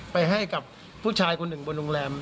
ให้กับผู้ชายคนหนึ่งบนโรงแรม